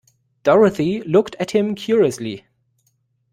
Dorothy looked at him curiously.